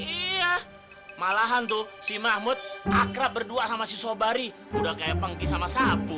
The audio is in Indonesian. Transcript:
iya malahan tuh si mahmud akrab berdua sama si sobari udah kayak pangki sama sapu